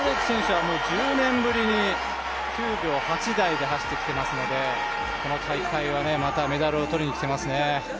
１０年ぶりに９秒８台で走ってきてますのでこの大会はまたメダルを取りにきていますね。